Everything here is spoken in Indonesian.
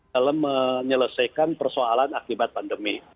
dalam menyelesaikan persoalan akibat pandemi